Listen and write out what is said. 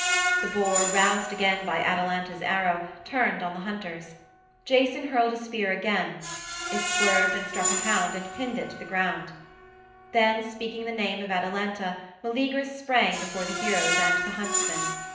The boar, roused again by Atalanta's arrow, turned on the hunters. Jason hurled a spear again. It swerved and struck a hound and pinned it to the ground. Then, speaking the name of Atalanta, Meleagrus sprang before the heroes and the huntsmen.